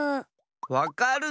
「わかる！」